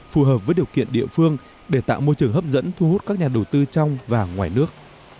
phù hợp với điều kiện địa phương để tạo môi trường hấp dẫn thu hút các nhà đầu tư trong và ngoài nước